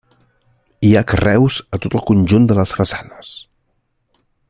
Hi ha carreus a tot el conjunt de les façanes.